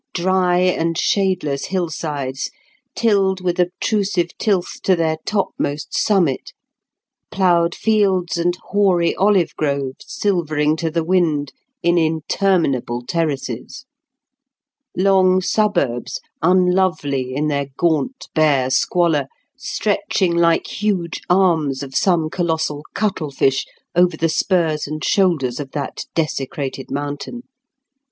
Dry and shadeless hillsides, tilled with obtrusive tilth to their topmost summit; ploughed fields and hoary olive groves silvering to the wind, in interminable terraces; long suburbs, unlovely in their gaunt, bare squalor, stretching like huge arms of some colossal cuttlefish over the spurs and shoulders of that desecrated mountain.